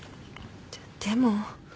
でも。